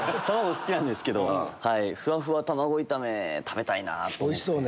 卵好きなんですけどふわふわ卵炒め食べたいなと思って。